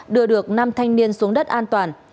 đưa được nam thanh niên xuống đất an toàn